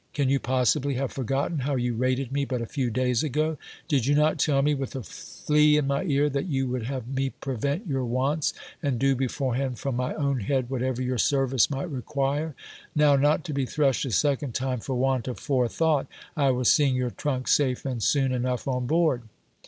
Can you possibly have forgotten how you rated me but a few days ago ? Did you not tell me, with a flea in my ear, that you would have me prevent your wants, and do beforehand from my own head whatever your service might require? Now, not to be threshed a second time for want of forethought, I was seeing your trunk safe and soon enough on board.